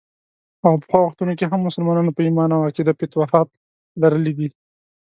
او پخوا وختونو کې هم مسلمانانو په ايمان او عقیده فتوحات لرلي دي.